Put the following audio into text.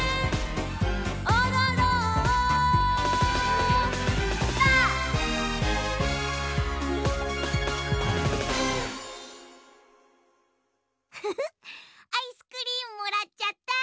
「おどろんぱ！」フフフッアイスクリームもらっちゃった！